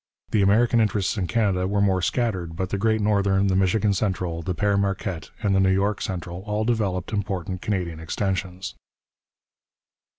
The American interests in Canada were more scattered, but the Great Northern, the Michigan Central, the Père Marquette, and the New York Central all developed important Canadian extensions.